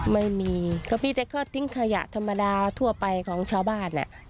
ไม่มีก็มีแต่ก็ทิ้งขยะธรรมดาทั่วไปของชาวบ้าน